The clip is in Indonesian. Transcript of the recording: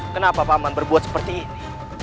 kenapa paman berbuat seperti ini